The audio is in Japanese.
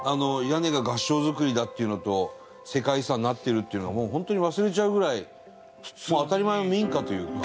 屋根が合掌造りだっていうのと世界遺産になっているっていうの本当に忘れちゃうぐらい当たり前の民家というか。